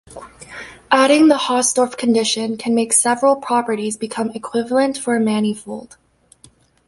Adding the Hausdorff condition can make several properties become equivalent for a manifold.